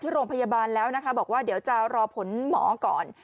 โรงพยาบาลแล้วนะคะบอกว่าเดี๋ยวจะรอผลหมอก่อน